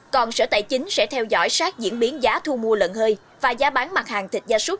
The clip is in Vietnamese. còn sở tài chính sẽ theo dõi sát diễn biến giá thu mua lợn hơi và giá bán mặt hàng thịt gia súc